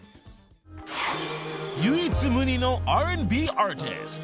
［唯一無二のＲ＆Ｂアーティスト］